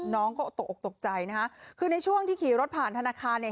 น้องก็ตกออกตกใจนะคะคือในช่วงที่ขี่รถผ่านธนาคารเนี่ย